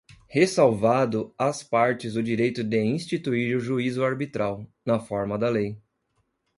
ressalvado às partes o direito de instituir juízo arbitral, na forma da lei.